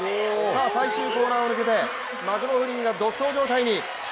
最終コーナーを抜けてマクローフリンが独走状態に。